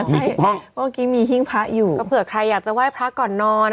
อ๋อมีทุกห้องเพื่อกี้มีหิ้งพระอยู่เผื่อใครอยากจะไหว้พระก่อนนอน